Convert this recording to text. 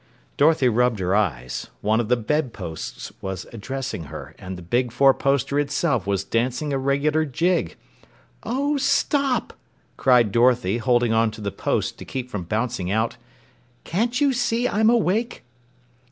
Dorothy rubbed her eyes. One of the bedposts was addressing her, and the big four poster itself was dancing a regular jig. "Oh, stop!" cried Dorothy, holding on to the post to keep from bouncing out. "Can't you see I'm awake?"